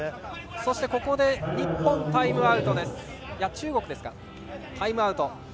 そして、ここで中国タイムアウトです。